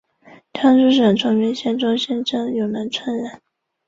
江苏省崇明县中兴镇永南村人。